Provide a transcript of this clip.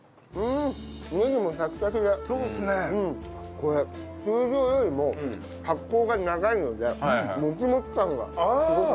これ通常よりも発酵が長いのでもちもち感がすごく。